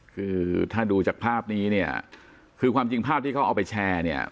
คือถ้าดูจากภาพนี้คือความจริงภาพที่เขาเอาไปแชร์